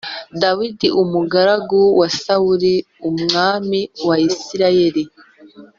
Dawidi umugaragu wa Sawuli umwami wa Isirayeli